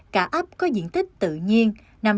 cả ấp có diện tích tự nhiên